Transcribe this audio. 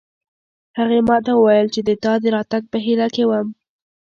هغې ما ته وویل چې د تا د راتګ په هیله کې وم